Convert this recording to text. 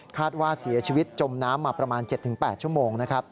ว่าเสียชีวิตจมน้ำมาประมาณ๗๘ชั่วโมงนะครับ